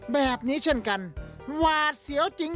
แบบนี้เช่นกันหวาดเสียวจริง